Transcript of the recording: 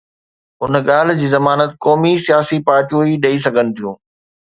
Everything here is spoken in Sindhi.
ان ڳالهه جي ضمانت قومي سياسي پارٽيون ئي ڏئي سگهن ٿيون.